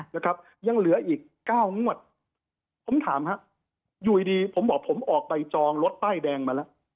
แล้วยังเหลืออีก๙งวดผมถามครับอยู่ดีผมบอกผมออกไปจองรถป้ายแดงมาแล้ว